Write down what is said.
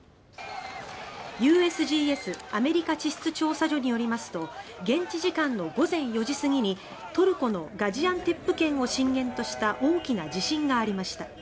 ＵＳＧＳ・アメリカ地質調査所によりますと現地時間の午前４時過ぎにトルコのガジアンテップ県を震源とした大きな地震がありました。